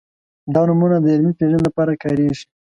دا نومونه د علمي پېژند لپاره کارېږي.